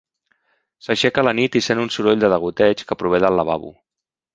S'aixeca a la nit i sent un soroll de degoteig que prové del lavabo.